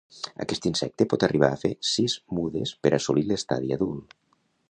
Aquest insecte pot arribar a fer sis mudes per assolir l'estadi adult.